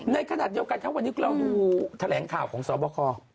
ในขณะเดียวกันครับวันนี้เราดูแถลงข่าวของสอบคอ